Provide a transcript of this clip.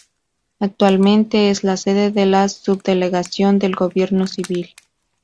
Actualmente es la sede de la Subdelegación del Gobierno Civil.